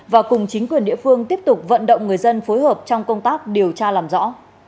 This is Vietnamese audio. và cùng chính quyền địa phương tiếp tục vận động người dân phối hợp trong công tác điều tra làm rõ